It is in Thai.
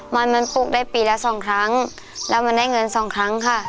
มันมันปลูกได้ปีละสองครั้งแล้วมันได้เงินสองครั้งค่ะ